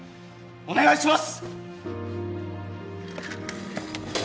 お願いします！